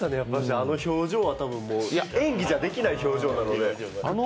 あの表情は演技じゃできない表情なので。